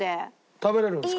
食べれるんですか？